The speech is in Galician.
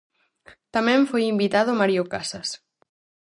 Tamén foi invitado Mario Casas.